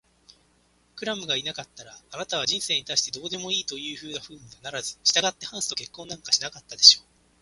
クラムがいなかったら、あなたは人生に対してどうでもいいというようなふうにはならず、したがってハンスと結婚なんかしなかったでしょう。